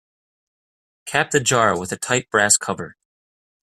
Cap the jar with a tight brass cover.